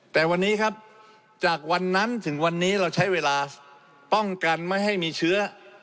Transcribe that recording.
แต่วันนี้ครับจากวันนั้นถึงวันนี้เราใช้เวลาป้องกันไม่ให้มีเชื้อ